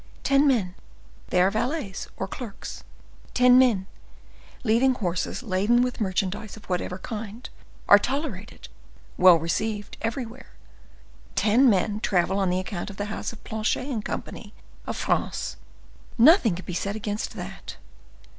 Ten men, they are valets or clerks. Ten men, leading ten horses laden with merchandise of whatever kind, are tolerated, well received everywhere. Ten men travel on account of the house of Planchet & Co., of France,—nothing can be said against that.